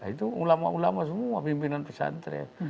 itu ulama ulama semua pimpinan pesantren